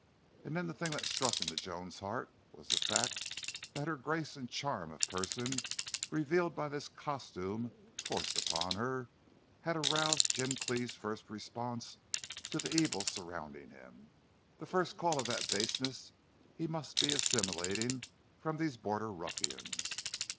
And then the thing that struck into Joan's heart was the fact that her grace and charm of person, revealed by this costume forced upon her, had aroused Jim Cleve's first response to the evil surrounding him, the first call to that baseness he must be assimilating from these border ruffians.